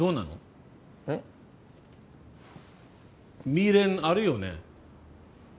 未練あるよね。